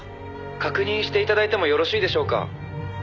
「確認して頂いてもよろしいでしょうか？」